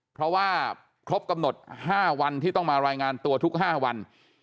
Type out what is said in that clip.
เพราะว่าครบกำหนด๕วันที่ต้องมารายงานตัวทุก๕วัน